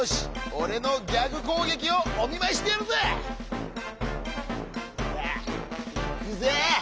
おれのギャグこうげきをおみまいしてやるぜ！いくぜ！